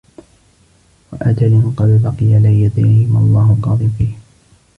وَأَجَلٍ قَدْ بَقِيَ لَا يَدْرِي مَا اللَّهُ قَاضٍ فِيهِ